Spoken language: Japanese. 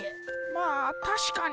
まあたしかに。